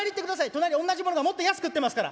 隣おんなじものがもっと安く売ってますから。